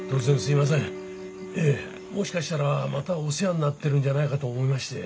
いえもしかしたらまたお世話になってるんじゃないかと思いまして。